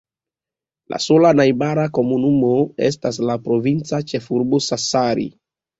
La sola najbara komunumo estas la provinca ĉefurbo Sassari.